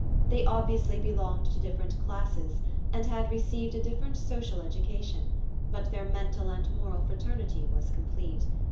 They obviously belonged to different classes, and had received a different social education; but their mental and moral fraternity was complete.